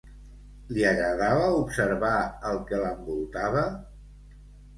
Li agradava observar el que l'envoltava?